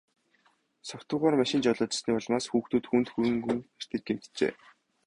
Согтуугаар машин жолоодсоны улмаас хүүхдүүд хүнд хөнгөн бэртэж гэмтжээ.